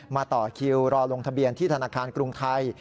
ต่อคิวรอลงทะเบียนที่ธนาคารกรุงไทย